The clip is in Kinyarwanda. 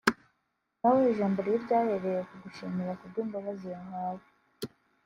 na we ijambo rye ryahereye ku gushimira kubw’imbabazi yahawe